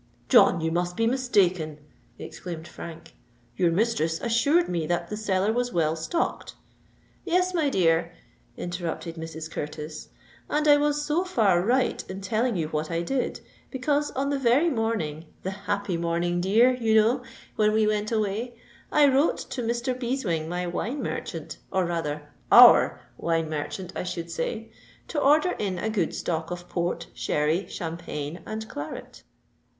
"John, you must be mistaken!" exclaimed Frank. "Your mistress assured me that the cellar was well stocked——" "Yes, my dear," interrupted Mrs. Curtis: "and I was so far right in telling you what I did, because on the very morning—the happy morning, dear, you know—when we went away, I wrote to Mr. Beeswing, my wine merchant—or rather our wine merchant, I should say—to order in a good stock of Port, Sherry, Champagne, and Claret."